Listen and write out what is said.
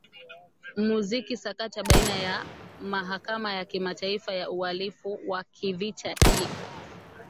muziki sakata baini ya mahakama ya kimataifa ya ualifu wa kivita i